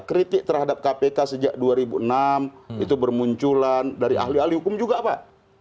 kritik terhadap kpk sejak dua ribu enam itu bermunculan dari ahli ahli hukum juga pak